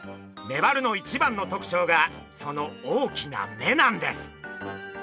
メバルの一番の特徴がその大きな目なんです。